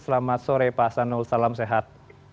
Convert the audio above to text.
selamat sore pak asanul salam sehat